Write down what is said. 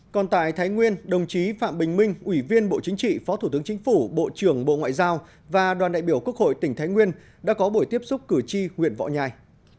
còn tại thái nguyên đồng chí phạm bình minh ủy viên bộ chính trị phó thủ tướng chính phủ bộ trưởng bộ ngoại giao và đoàn đại biểu quốc hội tỉnh thái nguyên đã có buổi tiếp xúc cử tri huyện võ nhai